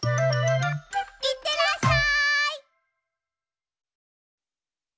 いってらっしゃい！